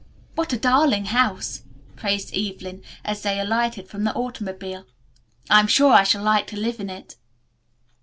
"What a darling house!" praised Evelyn as they alighted from the automobile. "I am sure I shall like to live in it."